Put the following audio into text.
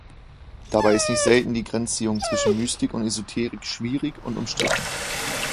Dabei ist nicht selten die Grenzziehung zwischen Mystik und Esoterik schwierig und umstritten.